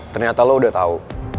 ternyata lo udah tau